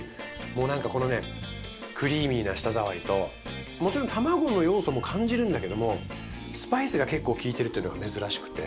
もうなんかこのねクリーミーな舌触りともちろんたまごの要素も感じるんだけどもスパイスが結構利いてるっていうのが珍しくて。